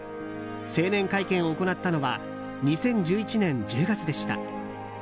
成年会見を行ったのは２０１１年１０月でした。